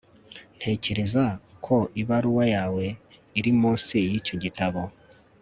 ntekereza ko ibaruwa yawe iri munsi yicyo gitabo